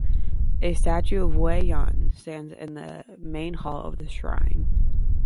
A statue of Wei Yan stands in the main hall of the shrine.